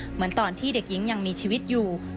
เหมือนตอนที่เด็กหญิงยังมีชีวิตอยู่